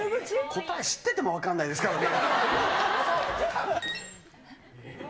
答え知ってても分かんないですからね。